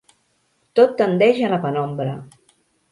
Tot tendeix a la penombra.